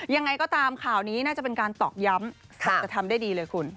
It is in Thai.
ยังไงก็ตามข่าวนี้น่าจะเป็นการตอกย้ำถึงจะทำได้ดีเลยคุณ